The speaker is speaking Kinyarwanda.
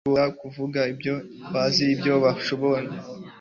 Bashoboraga kuvuga ibyo bazi, ibyo babonye,